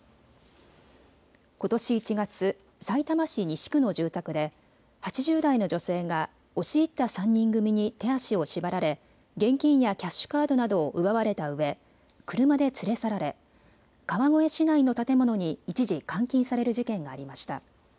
ことし１月、さいたま市西区の住宅で８０代の女性が押し入った３人組に手足を縛られ現金やキャッシュカードなどを奪われたうえ車で連れ去られ川越市内の建物に一時監禁される事件がありました。